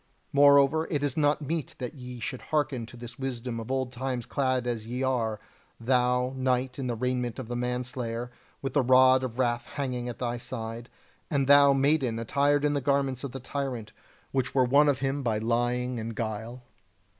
Moreover, it is not meet that ye should hearken to this wisdom of old times clad as ye are; thou, knight, in the raiment of the manslayer, with the rod of wrath hanging at thy side; and thou, maiden, attired in the garments of the tyrant, which were won of him by lying and guile."